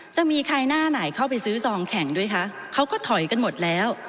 จะมีใครหน้าไหนเข้าไปซื้อซองแข่งด้วยคะเขาก็ถอยกันหมดแล้ว